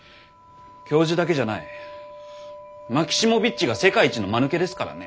教授だけじゃないマキシモヴィッチが世界一のまぬけですからね。